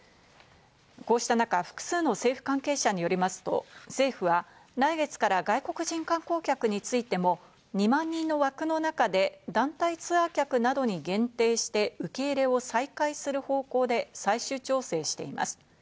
こうした中、複数の政府関係者によりますと、政府は来月から外国人観光客についても２万人の枠の中で団体ツアー客などに限定して、受け入れを再開する方向で最終調整しています。